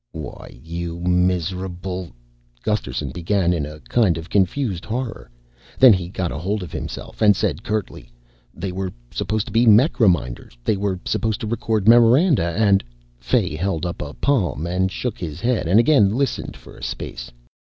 "Why, you miserable " Gusterson began in a kind of confused horror, then got hold of himself and said curtly, "They were supposed to be mech reminders. They were supposed to record memoranda and " Fay held up a palm and shook his head and again listened for a space.